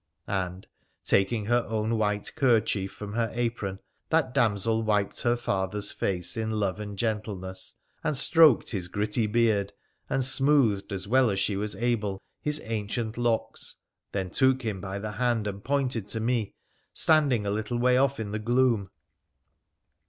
' and, taking her own white kerchief from her apron, that damsel wiped her father's face in love and gentleness, and stroked his gritty beard and smoothed, as well as she was able, his ancient locks, then took him by the hand and pointed to me, standing a little way off in the gloom.